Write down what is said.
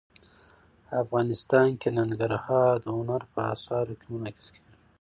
افغانستان کې ننګرهار د هنر په اثار کې منعکس کېږي.